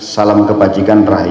salam kebajikan rahim